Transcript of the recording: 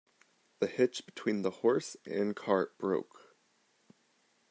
The hitch between the horse and cart broke.